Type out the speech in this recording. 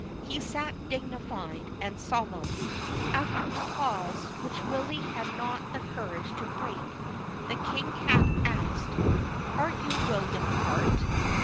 lie sat dignified and solemn. After a pause, which Willy had not the courage to break, the King Cat asked, " Are you William Hart